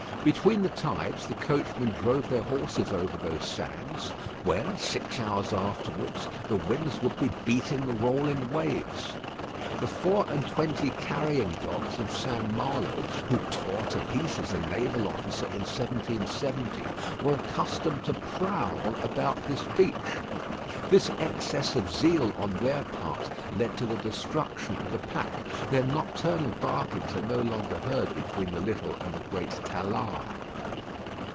Between the tides, the coachmen drove their horses over those sands, where, six hours afterwards, the winds would be beating the rolling waves. The four and twenty carrying dogs of St. Malo, who tore to pieces a naval officer in 1770, were accustomed to prowl about this beach. This excess of zeal on their part led to the destruction of the pack. Their nocturnal barkings are no longer heard between the little and the great Talard.